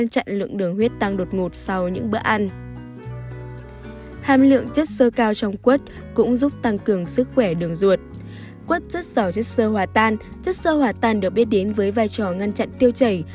chất sơ hỏa tàn được biết đến với vai trò ngăn chặn tiêu chảy